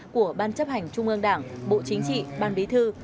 của ban chấp hành trung ương đảng bộ chính trị ban bí thư